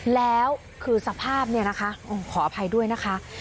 แล้วคือสภาพเนี่ยนะคะขออภัยด้วยนะคะ